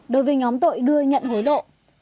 đối với nhóm tội đưa nhận hối lộ